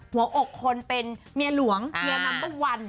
หัวอกคนเป็นเมียหลวงเมียนัมอส